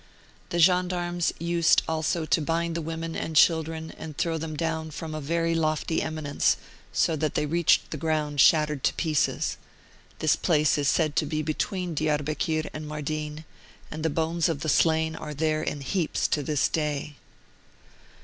The orendarmes used also to bind the women o and children and throw them down from a very lofty eminence, so that they reached the ground shattered to pieces. This place is said to be be tween Diarbekir and Mardin, and the bones of the slain are there in heaps to this day.